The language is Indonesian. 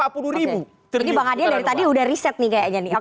jadi bang adian dari tadi udah riset nih kayaknya nih